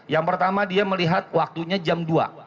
yang pertama dia melihat waktunya jam dua